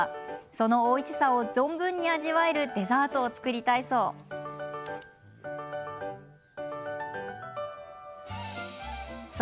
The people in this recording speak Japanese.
そのおいしさを存分に味わえるデザートを作りたいそうです。